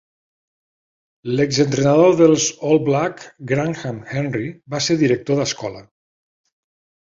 L'exentrenador dels All Black Graham Henry va ser director d'escola.